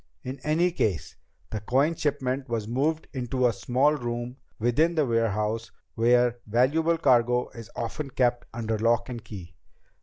In any case, the coin shipment was moved into a small room within the warehouse where valuable cargo is often kept under lock and key.